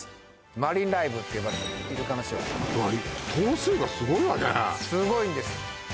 マリンライブって呼ばれてるイルカのショー頭数がすごいわねすごいんです